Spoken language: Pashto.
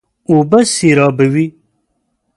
اوبه سېرابوي.